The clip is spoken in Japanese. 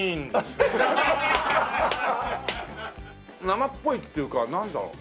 生っぽいっていうかなんだろう？